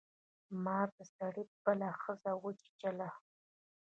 مار د سړي بله ښځه وچیچله.